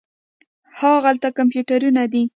هاغلته کمپیوټرونه دي.